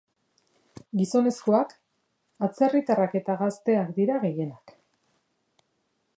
Gizonezkoak, atzerritarrak eta gazteak dira gehienak.